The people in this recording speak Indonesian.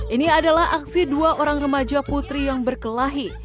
ini adalah aksi dua orang remaja putri yang berkelahi